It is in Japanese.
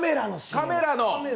カメラの？